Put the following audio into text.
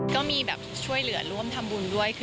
ก็มีแบบช่วยเหลือร่วมทำบุญด้วย